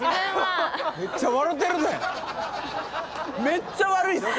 めっちゃ悪いっす。